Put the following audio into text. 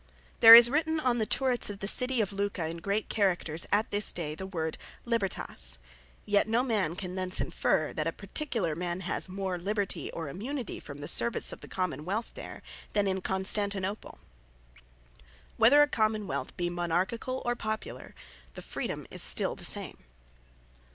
There is written on the Turrets of the city of Luca in great characters at this day, the word LIBERTAS; yet no man can thence inferre, that a particular man has more Libertie, or Immunitie from the service of the Commonwealth there, than in Constantinople. Whether a Common wealth be Monarchicall, or Popular, the Freedome is still the same.